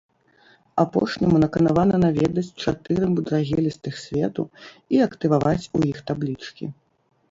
Апошняму наканавана наведаць чатыры мудрагелістых свету і актываваць у іх таблічкі.